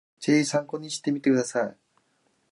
ぜひ参考にしてみてください